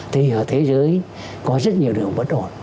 thì ở thế giới có rất nhiều điều bất ổn